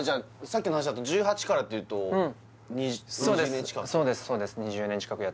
さっきの話だと１８からっていうと２２０年近く？